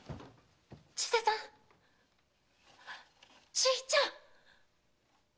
チーちゃん！